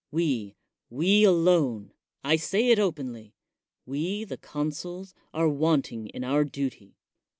We, we alone — I say it openb — ^we, the consuls, are wanting in our duty.